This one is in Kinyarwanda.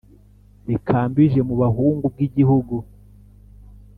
rikambije mu bahungu bwigihugu